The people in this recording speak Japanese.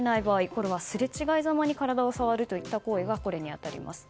これはすれ違いざまに体を触るといった行為はこれに当たります。